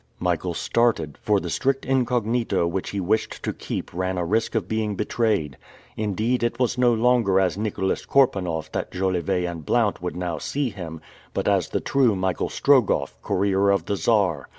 Michael started, for the strict incognito which he wished to keep ran a risk of being betrayed. Indeed, it was no longer as Nicholas Korpanoff that Jolivet and Blount would now see him, but as the true Michael Strogoff, Courier of the Czar.